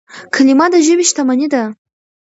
کلیمه د ژبي شتمني ده.